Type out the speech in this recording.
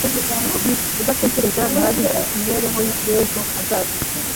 kudatekereza bihagije ku mibereho y'ejo hazaza